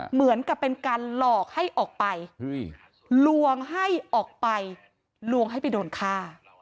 เหมือนกับเป็นการหลอกให้ออกไปลวงให้ออกไปลวงให้ไปโดนฆ่า